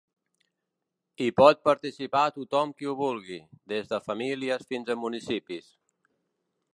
Hi pot participar tothom qui ho vulgui, des de famílies fins a municipis.